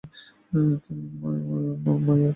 তিনি মায়ার খেলা নাটকেরও নতুন রূপ দিয়েছিলেন।